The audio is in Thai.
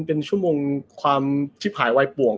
เป็นชั่วโมงความที่ผายวัยป่วง